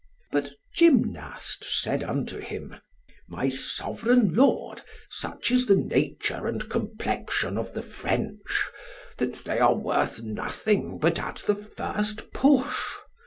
But Gymnast said unto him, My sovereign lord, such is the nature and complexion of the French, that they are worth nothing but at the first push.